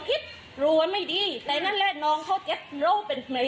พิษรู้อ่ะไม่ดีแต่งั้นแล้วน้องเขาเจ็บโรงเป็นไหม